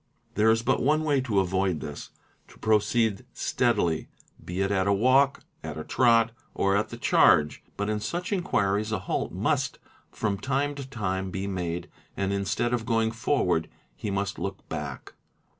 There is but one way to avoid this, to proceed "steadily "', be it at a walk, at a trot, or at the charge; but in such inquiries a halt inust from time to time be made and instead of going forward he must look back.